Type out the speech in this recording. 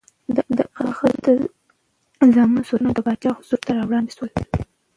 د هغه د زامنو سرونه د پادشاه حضور ته راوړل شول.